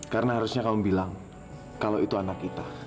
karena harusnya kamu bilang kalau itu anak kita